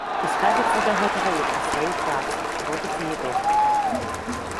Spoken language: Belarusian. І ставяцца да гэтага як да сваёй працы і робяць яе добра.